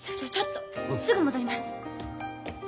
すぐ戻ります。